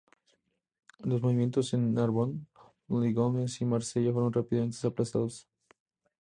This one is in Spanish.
Los movimientos en Narbonne, Limoges y Marsella fueron rápidamente aplastados.